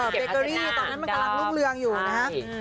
เบเกอรี่ตอนนั้นมันกำลังรุ่งเรืองอยู่นะฮะ